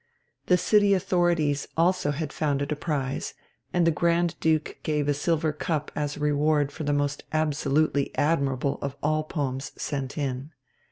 The city authorities also had founded a prize, and the Grand Duke gave a silver cup as a reward for the most absolutely admirable of all poems sent in.